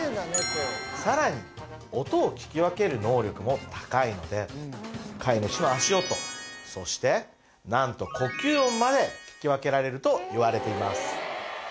さらに音を聞き分ける能力も高いので飼い主の足音そして何と呼吸音まで聞き分けられるといわれています